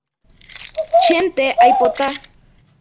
Chénte aipota